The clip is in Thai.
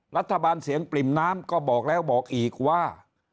รัฐบาลเสียงปริ่มน้ำก็บอกแล้วบอกอีกว่า